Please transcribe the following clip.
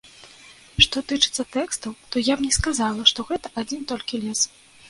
Што тычыцца тэкстаў, то я б не сказала, што гэта адзін толькі лес.